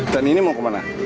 dan ini mau kemana